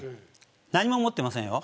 何も持ってませんよ。